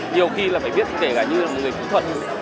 nhiều khi là phải viết kể cả như là một người phí thuật